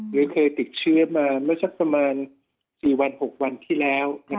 หรือเคยติดเชื้อมาสักประมาณ๔๖วันที่แล้ว